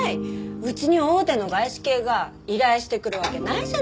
うちに大手の外資系が依頼してくるわけないじゃないですか。